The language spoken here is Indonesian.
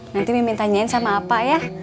nanti memimpin tanyain sama apa ya